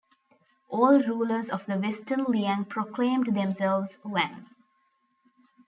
All rulers of the Western Liang proclaimed themselves "wang".